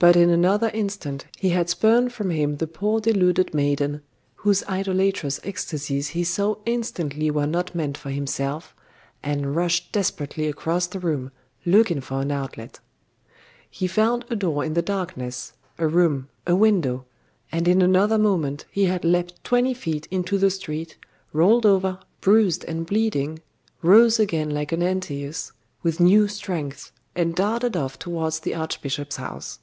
But in another instant he had spurned from him the poor deluded maiden, whose idolatrous ecstasies he saw instantly were not meant for himself, and rushed desperately across the room, looking for an outlet. He found a door in the darkness a room a window and in another moment he had leapt twenty feet into the street, rolled over, bruised and bleeding, rose again like an Antaeus, with new strength, and darted off towards the archbishop's house.